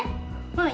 ibu mas kevin